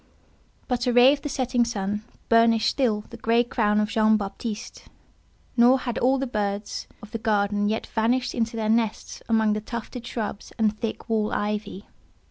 But a ray of the setting sun burnished still the grey crown of Jean Baptiste; nor had all the birds of the garden yet vanished into their nests amongst the tufted shrubs and thick wall ivy.